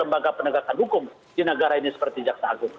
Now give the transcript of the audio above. lembaga penegakan hukum di negara ini seperti jaksa agung